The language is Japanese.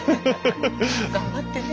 頑張ってね。